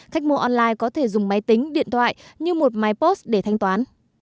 khách mua online có thể dùng máy tính điện thoại như một máy post để thanh toán